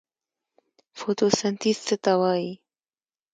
فوتوسنتیز څه ته وایي؟